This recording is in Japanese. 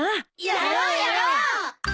やろうやろう。